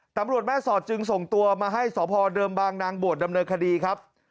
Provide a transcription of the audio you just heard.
ตำรวจแม่สอดจึงส่งตัวมาให้สพเดิมบางนางบวชดำเนินคดีครับ